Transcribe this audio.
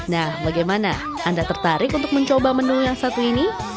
nah bagaimana anda tertarik untuk mencoba menu yang satu ini